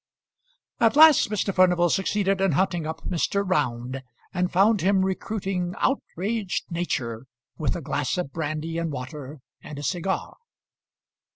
At last Mr. Furnival succeeded in hunting up Mr. Round, and found him recruiting outraged nature with a glass of brandy and water and a cigar.